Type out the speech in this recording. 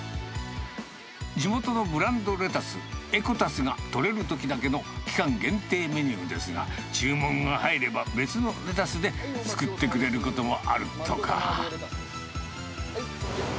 地元のブランドレタス、エコタスが取れるときだけの期間限定メニューですが、注文が入れば別のレタスで作ってくれることもあるとか。